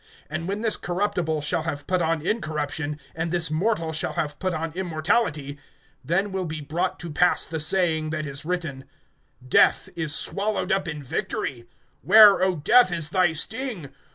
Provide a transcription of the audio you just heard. (54)And when this corruptible shall have put on incorruption, and this mortal shall have put on immortality, then will be brought to pass the saying, that is written: Death is swallowed up in victory. (55)Where, O death, is thy sting?